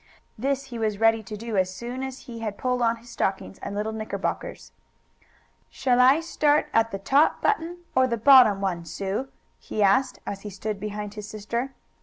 This he was ready to do as soon as he had pulled on his stockings and little knickerbockers. "Shall I start at the top button, or the bottom one, Sue?" he asked, as he stood behind his sister.